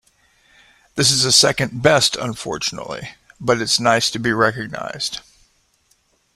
This is a second best unfortunately, but it's nice to be recognised.